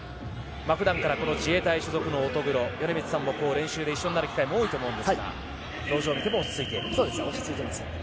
普段から自衛隊所属の乙黒米満さんも練習で一緒になる機会も多いと思いますが表情を見ても落ち着いていると。